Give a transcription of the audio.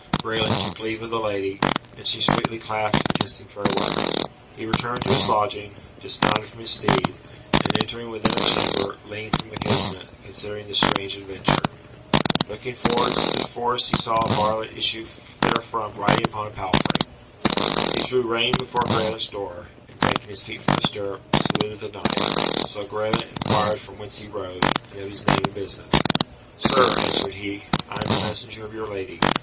Graelent took leave of the lady, and she sweetly clasped and kissed him farewell. He returned to his lodging, dismounted from his steed, and entering within a chamber, leaned from the casement, considering this strange adventure. Looking towards the forest he saw a varlet issue therefrom riding upon a palfrey. He drew rein before Graelent's door, and taking his feet from the stirrup, saluted the knight. So Graelent inquired from whence he rode, and of his name and business. "Sir," answered he, "I am the messenger of your lady.